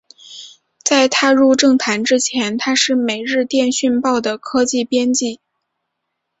在踏入政坛之前他是每日电讯报的科技编辑。